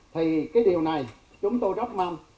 thì cái điều này chúng tôi rất mong